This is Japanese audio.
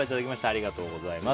ありがとうございます。